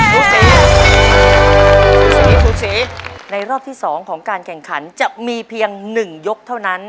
สูตรสีสูตรสีสูตรสีในรอบที่สองของการแข่งขันจะมีเพียงหนึ่งยกเท่านั้น